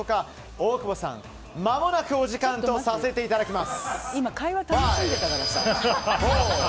大久保さん、まもなくお時間とさせていただきます！